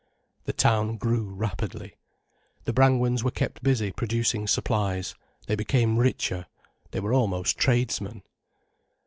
The town grew rapidly, the Brangwens were kept busy producing supplies, they became richer, they were almost tradesmen.